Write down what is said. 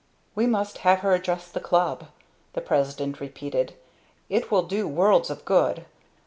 "We must have her address the Club," the president repeated. "It will do worlds of good.